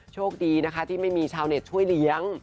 โชคดีนะคะที่ไม่มีชาวเน็ตช่วยเลี้ยง